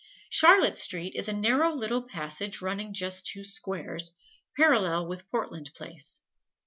Charlotte Street is a narrow little passage running just two squares, parallel with Portland Place.